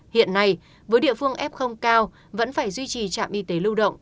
hiện nay với địa phương f cao vẫn phải duy trì trạm y tế lưu động